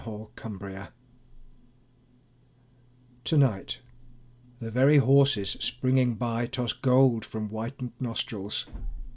WINTER EVENING To night the very horses springing by Toss gold from whitened nostrils.